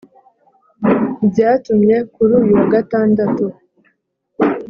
Byatumye kuri uyu wa Gatandatu